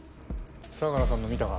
相良さんの見たか？